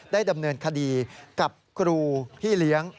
ดำเนินคดีกับครูพี่เลี้ยง